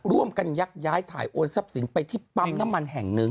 ยักย้ายถ่ายโอนทรัพย์สินไปที่ปั๊มน้ำมันแห่งหนึ่ง